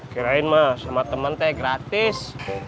kirain mah sama temen teh gratis